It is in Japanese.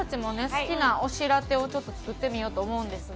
好きな推しラテをちょっと作ってみようと思うんですが。